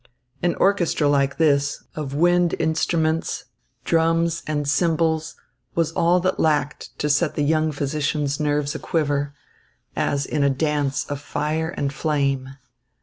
An orchestra like this, of wind instruments, drums and cymbals was all that lacked to set the young physician's nerves a quiver, as in a dance of fire and flame.